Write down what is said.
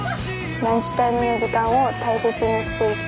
ランチタイムの時間を大切にしていきたいです。